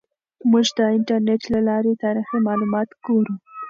موږ د انټرنیټ له لارې تاریخي معلومات ګورو.